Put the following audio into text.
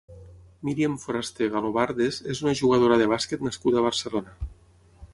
Miriam Forasté Galobardes és una jugadora de bàsquet nascuda a Barcelona.